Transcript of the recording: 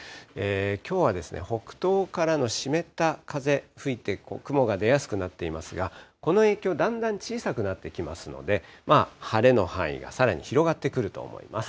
きょうは北東からの湿った風、吹いて、雲が出やすくなっていますが、この影響、だんだん小さくなってきますので、晴れの範囲がさらに広がってくると思います。